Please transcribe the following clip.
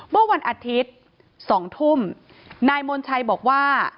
เมื่อวันอาทิตย์๒ทุ่มนายมนชัยบอกว่า